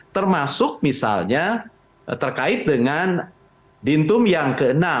termasuk misalnya terkait dengan dintum yang ke enam